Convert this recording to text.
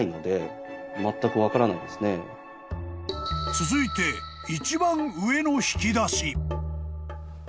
［続いて一番上の引き出し］